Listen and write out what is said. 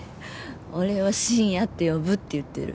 俺は深夜って呼ぶって言ってる。